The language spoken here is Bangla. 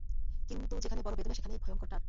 কিন্তু, যেখানে বড়ো বেদনা সেইখানেই ভয়ংকর টান।